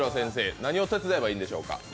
何を手伝えばいいんでしょうか？